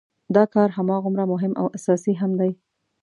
دا کار هماغومره مهم او اساسي هم دی.